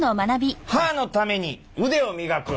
「歯のためにうでを磨く！！」。